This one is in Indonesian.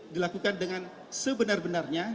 dilakukan dengan sebenar benarnya